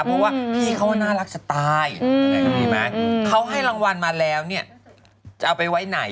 เพราะว่าพี่เขาว่าน่ารักสไตล์เขาให้รางวัลมาแล้วเนี่ยจะเอาไปไว้ไหน